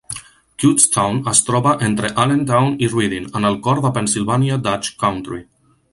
Kutztwon es troba entre Allentown i Reading, en el cor de Pennsylvania Dutch Country.